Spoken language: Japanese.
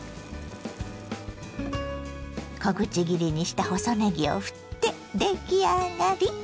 小口切りにした細ねぎをふって出来上がり。